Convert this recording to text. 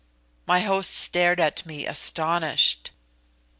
My host stared at me astonished.